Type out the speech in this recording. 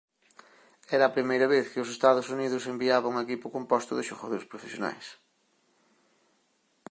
Era a primeira vez que Estados Unidos enviaba un equipo composto de xogadores profesionais.